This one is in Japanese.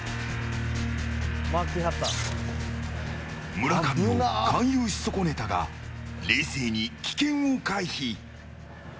村上を勧誘し損ねたが冷静に危険を回避。